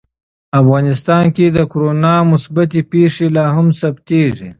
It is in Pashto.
افغانستان کې د کورونا مثبتې پېښې لا هم ثبتېږي.